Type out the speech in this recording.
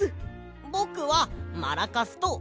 ぼくはマラカスとボール！